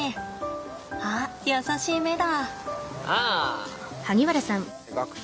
あっ優しい目だ。